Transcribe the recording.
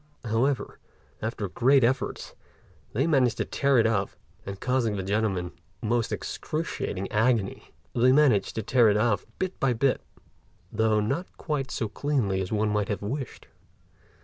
However, after great efforts, and causing the gentleman most excruciating agony, they managed to tear it off bit by bit, though not quite so cleanly as one might have wished.